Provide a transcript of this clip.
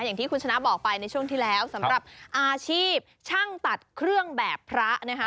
อย่างที่คุณชนะบอกไปในช่วงที่แล้วสำหรับอาชีพช่างตัดเครื่องแบบพระนะคะ